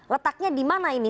letaknya di mana ini